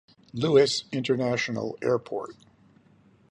Louis International Airport.